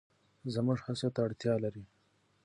زموږ هڅو ته اړتیا لري.